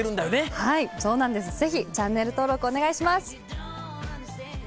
はいそうなんですぜひチャンネル登録お願いします。